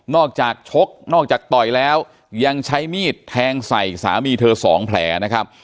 อกจากชกนอกจากต่อยแล้วยังใช้มีดแทงใส่สามีเธอสองแผลนะครับ